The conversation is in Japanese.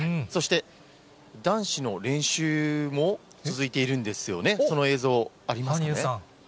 そして、男子の練習も続いているんですよね、その映像、ありますよね。